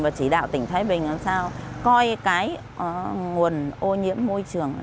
và chỉ đạo tỉnh thái bình làm sao coi cái nguồn ô nhiễm môi trường